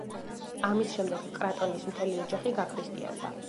ამის შემდეგ კრატონის მთელი ოჯახი გაქრისტიანდა.